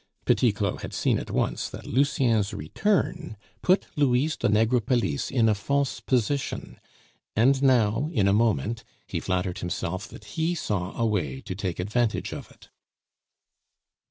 Petit Claud had seen at once that Lucien's return put Louise de Negrepelisse in a false position; and now, in a moment, he flattered himself that he saw a way to take advantage of it.